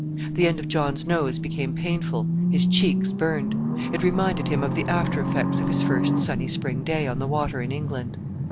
The end of John's nose became painful; his cheeks burned. It reminded him of the after effects of his first sunny spring day on the water in England.